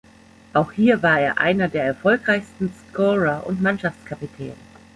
Auch hier war er einer der erfolgreichsten Scorer und Mannschaftskapitän.